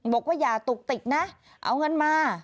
บอกว่าอย่าตุกติกนะเอาเงินมา